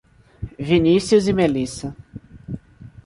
Vinicius e Melissa